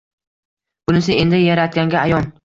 Bunisi endi Yaratganga ayon...